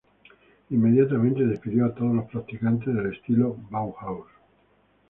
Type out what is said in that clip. Inmediatamente despidió a todos los practicantes del estilo Bauhaus.